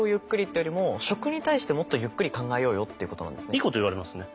いいこと言われますね。